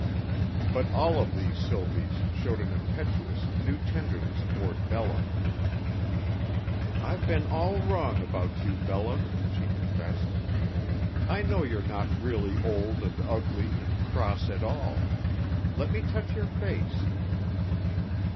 But all of these Sylvies showed an impetuous, new tenderness toward Bella. "I've been all wrong about you, Bella," she confessed. "I know you're not really old and ugly and cross at all. Let me touch your face."